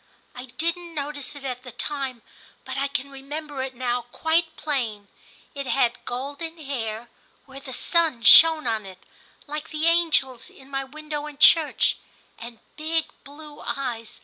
I didn't notice it at the time, but I can remember it now quite plain. It had golden hair, where II TIM 27 the sun shone on it, like the angels in my window in church, and big blue eyes.